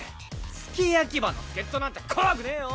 付け焼き刃の助っ人なんて怖くねえよ！